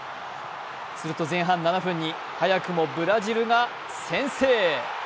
すると前半７分に早くもブラジルが先制。